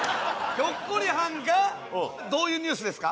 ひょっこりはんがどういうニュースですか？